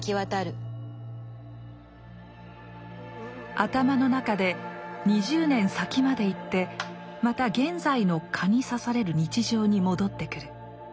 頭の中で２０年先まで行ってまた現在の蚊に刺される日常に戻ってくる。